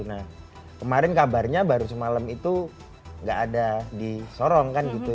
nah kemarin kabarnya baru semalam itu nggak ada di sorong kan gitu